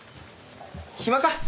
暇か？